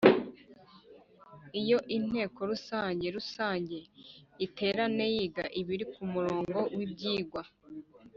Iyo Inteko Rusange rusange iterane yiga ibiri ku murongo w’ibyigwa